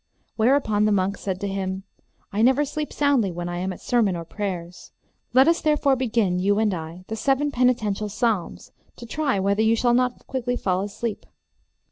Whereupon the monk said to him, I never sleep soundly but when I am at sermon or prayers. Let us therefore begin, you and I, the seven penitential psalms, to try whether you shall not quickly fall asleep.